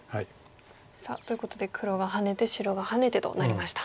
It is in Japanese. さあということで黒がハネて白がハネてとなりました。